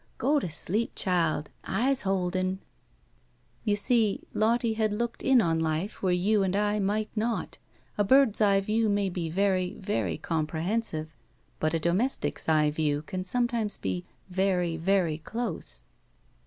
Go to sleep, child. I's holdin*." You see, Lottie had looked in on life where you and I might not. A bird's eye view may be very, very comprehensive, but a domestic's eye view can sometimes be very, very close.